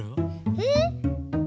えっ？